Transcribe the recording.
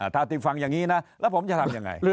ถ้าที่ฟังอย่างนี้นะแล้วผมจะทำยังไง